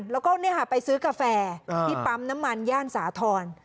แล้วก็ไปซื้อกาแฟที่ปั๊มน้ำมันย่านสาธรณ์